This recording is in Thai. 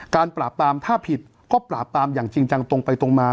ปราบปรามถ้าผิดก็ปราบปรามอย่างจริงจังตรงไปตรงมา